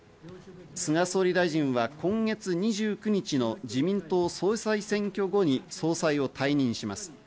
菅総理大臣は今月２９日の自民党総裁選挙後に総裁を退任します。